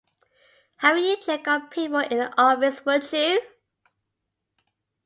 Haven't you check on people in the office would you?